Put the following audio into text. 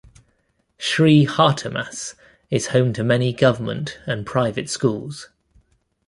Sri Hartamas is home to many government and private schools.